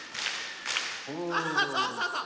あそうそうそう。